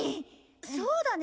そうだね。